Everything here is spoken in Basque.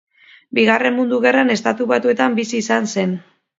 Bigarren Mundu Gerran Estatu Batuetan bizi izan zen.